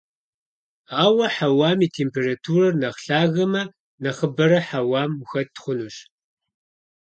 Ауэ хьэуам и температурэр нэхъ лъагэмэ, нэхъыбэрэ хьэуам ухэт хъунущ.